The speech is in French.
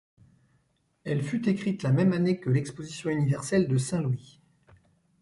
Elle fut écrite la même année que l'exposition universelle de Saint-Louis.